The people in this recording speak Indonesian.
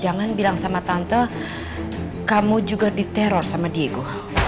jangan bilang sama tante kamu juga diteror sama diego